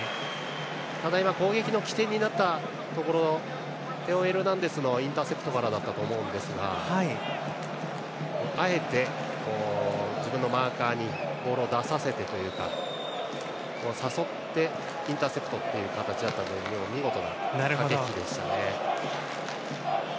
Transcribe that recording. ただ、今攻撃の起点になったところテオ・エルナンデスのインターセプトからだったと思うんですがあえて自分のマーカーにボールを出させてというか誘ってインターセプトという形だったので見事な駆け引きでしたね。